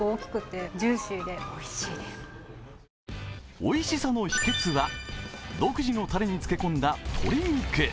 おいしさの秘けつは、独自のタレに漬け込んだ鶏肉。